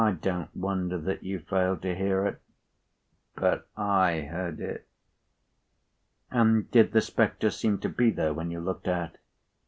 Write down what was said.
104don't wonder that you failed to hear it. But I heard it." "And did the spectre seem to be there, when you looked out?"